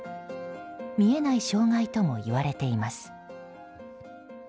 見えない障害ともいわれています。